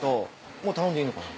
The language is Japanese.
もう頼んでいいのかな？